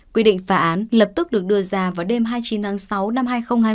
quy định phá án lập tức được đưa ra vào đêm hai mươi chín tháng sáu năm hai nghìn hai mươi